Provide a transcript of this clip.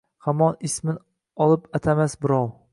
Hamon ismin olib atamas birov.